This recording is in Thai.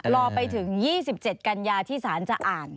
รอไปถึง๒๗กันยาที่ศาลจะอ่าน